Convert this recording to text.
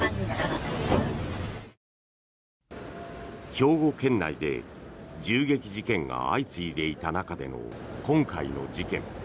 兵庫県内で銃撃事件が相次いでいた中での今回の事件。